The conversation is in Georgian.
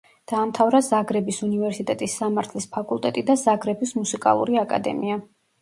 დაამთავრა ზაგრების უნივერსიტეტის სამართლის ფაკულტეტი და ზაგრების მუსიკალური აკადემია.